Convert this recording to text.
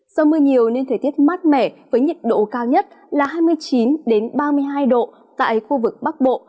do mưa nhiều nên thời tiết mát mẻ với nhiệt độ cao nhất là hai mươi chín ba mươi hai độ tại khu vực bắc bộ